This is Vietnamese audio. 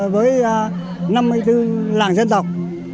với năm mươi bốn làng dân tộc